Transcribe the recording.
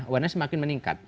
awareness semakin meningkat